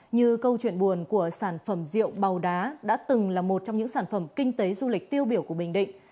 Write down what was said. như câu chuyện buồn của sản phẩm rượu bào đá đã từng là một trong những sản phẩm kinh tế du lịch tiêu biểu của bình định